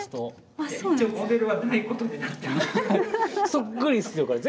そっくりですよこれ。